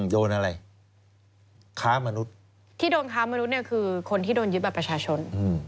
โดนอะไรค้ามนุษย์ที่โดนค้ามนุษย์เนี่ยคือคนที่โดนยึดบัตรประชาชน